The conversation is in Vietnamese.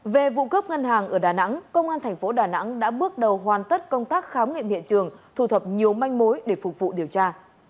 về vụ cướp ngân hàng ở đà nẵng công an thành phố đà nẵng đã bước đầu hoàn tất công tác khám nghiệm hiện trường thu thập nhiều manh mối để phục vụ điều tra